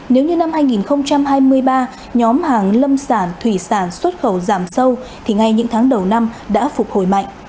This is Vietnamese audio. nếu như năm hai nghìn hai mươi ba nhóm hàng lâm sản thủy sản xuất khẩu giảm sâu thì ngay những tháng đầu năm đã phục hồi mạnh